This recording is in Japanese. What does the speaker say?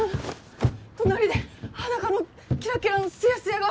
隣で裸のキラキラのスヤスヤが！